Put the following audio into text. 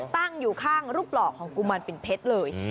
ตั้งอยู่ข้างรูปหล่อของกุมารปิ่นเพชรเลย